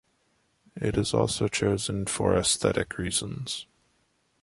It is also chosen for aesthetic reasons.